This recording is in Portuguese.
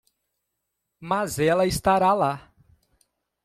Mas ela estará lá.